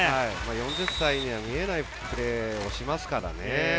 ４０歳には見えないプレーをしますからね。